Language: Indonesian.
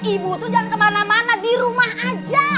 ibu tuh jangan kemana mana di rumah aja